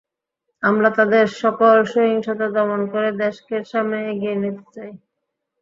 আমরা তাদের সকল সহিংসতা দমন করে দেশকে সামনে এগিয়ে নিতে চাই।